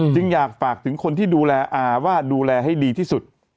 จึงอยากฝากถึงคนที่ดูแลอาว่าดูแลให้ดีที่สุด